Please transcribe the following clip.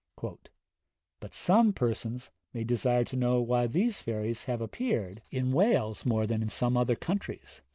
'But some persons may desire to know why these fairies have appeared in Wales more than in some other countries?